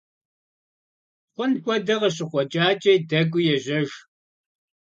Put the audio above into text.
Хъун хуэдэ къыщыкъуэкӀакӀэ, дэкӀуи ежьэж.